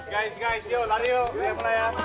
guys guys yuk lari yuk